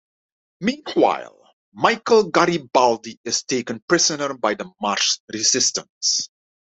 Meanwhile, Michael Garibaldi is taken prisoner by the Mars Resistance.